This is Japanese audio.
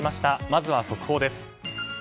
まずは速報です。